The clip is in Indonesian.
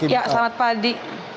ya selamat pagi